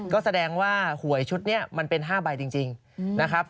ก็แสดงว่าหวยชุดนี้มันเป็น๕ใบจริงนะครับ